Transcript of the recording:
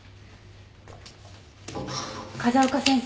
風丘先生。